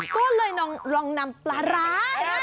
ก็เลยน้องนำปลาร้า